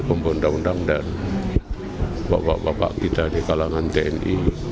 pembundang undang dan bapak bapak kita di kalangan tni